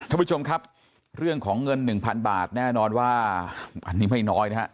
ท่านผู้ชมครับเรื่องของเงิน๑๐๐๐บาทแน่นอนว่าอันนี้ไม่น้อยนะฮะ